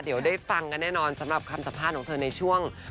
เดี๋ยวได้ฟังกันแน่นอนสำหรับคำสัมภาษณ์ของเธอในช่วง